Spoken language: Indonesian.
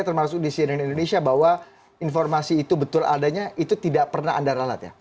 termasuk di cnn indonesia bahwa informasi itu betul adanya itu tidak pernah anda ralat ya